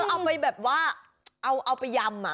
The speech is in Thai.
เอาไปแบบว่าเอาไปยำ